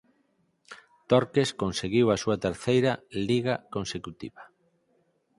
Torques conseguiu a súa terceira Liga consecutiva.